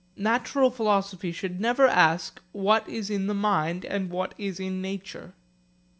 Natural philosophy should never ask, what is in the mind and what is in nature.